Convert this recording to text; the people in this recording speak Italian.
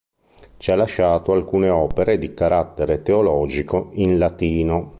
Ci ha lasciato alcune opere di carattere teologico in latino.